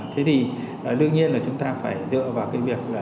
thế thì đương nhiên là chúng ta phải dựa vào việc